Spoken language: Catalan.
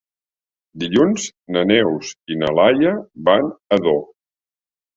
Dilluns na Neus i na Laia van a Ador.